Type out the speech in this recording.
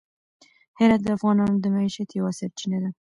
هرات د افغانانو د معیشت یوه سرچینه ده.